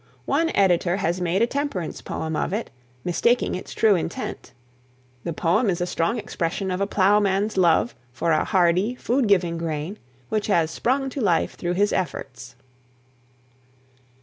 One editor has made a temperance poem of it, mistaking its true intent. The poem is a strong expression of a plow man's love for a hardy, food giving grain which has sprung to life through his efforts.